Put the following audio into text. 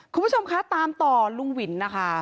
คุณผู้ชมคะตามต่อลุงวินนะคะ